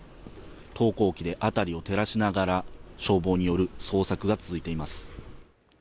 投光器で辺りを照らしながら消防による捜索が続いています。